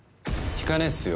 引かねえっすよ